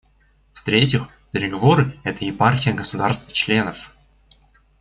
В-третьих, переговоры — это епархия государств-членов.